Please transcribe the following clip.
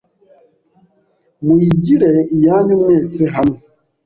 Muyigire iyanyu mwese hamwe